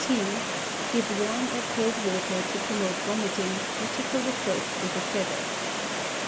T. Give warm or cold water to promote vomiting, or tickle the throat with a feather.